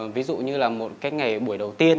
ví dụ như là một cái ngày buổi đầu tiên